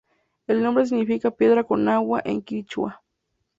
El nombre significa "piedra con agua" en quichua.